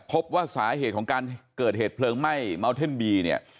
พบว่าสาเหตุของการเกิดเหตุเพลิงไหม้เมาเท่นบีเนี่ย